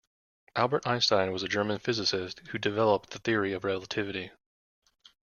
Albert Einstein was a German physicist who developed the Theory of Relativity.